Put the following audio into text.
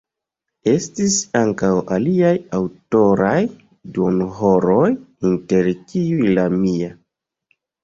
Estis ankaŭ aliaj aŭtoraj duonhoroj, inter kiuj la mia.